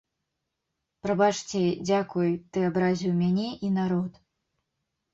Прабачце, дзякуй, ты абразіў мяне і народ.